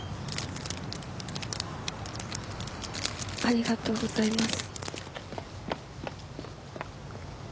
ありがとうございます。